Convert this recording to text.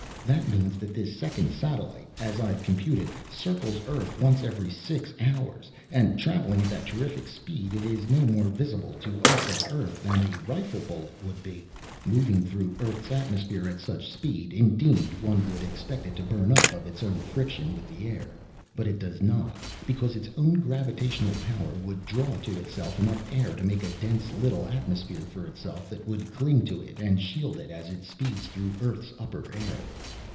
That means that this second satellite, as I've computed, circles Earth once every six hours, and travelling at that terrific speed it is no more visible to us of Earth than a rifle bullet would be." "Moving through Earth's atmosphere at such speed, indeed, one would expect it to burn up by its own friction with the air. But it does not, because its own gravitational power would draw to itself enough air to make a dense little atmosphere for itself that would cling to it and shield it as it speeds through Earth's upper air.